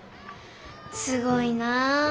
すごいな。